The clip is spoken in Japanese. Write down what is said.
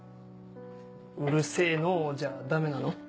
「うるせぇのう」じゃダメなの？